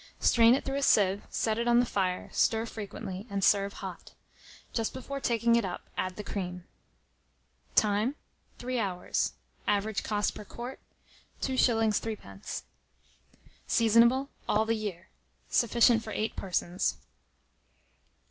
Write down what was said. Strain it through a sieve, set it on the fire, stir frequently, and serve hot. Just before taking it up, add the cream. Time. 3 hours. Average cost per quart, 2s. 3d. Seasonable all the year. Sufficient for 8 persons.